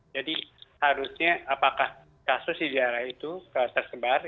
jadi harusnya apakah kasus di daerah itu tersebar